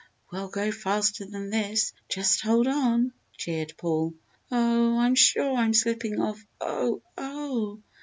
We'll go faster than this just hold on!" cheered Paul. "Oh, I'm sure I'm slipping off oh, oh!"